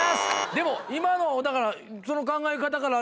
でも今のだからその考え方から。